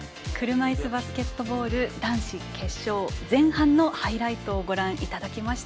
車いすバスケットボール男子決勝前半のハイライトご覧いただきました。